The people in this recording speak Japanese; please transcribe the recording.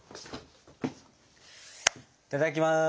いただきます！